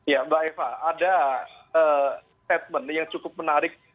ya mbak eva ada statement yang cukup menarik